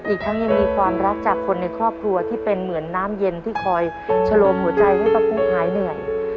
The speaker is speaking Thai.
อีกทั้งยังมีความรักจากคนในครอบครัวที่เป็นเหมือนน้ำเย็นที่คอยชะลมหัวใจให้ป้ากุ๊กหายเหนื่อย